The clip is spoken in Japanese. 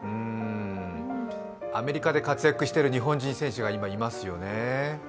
アメリカで活躍してる日本人選手が今、いますよね。